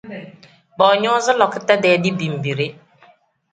Boonyoozi lakuta-dee dibimbide.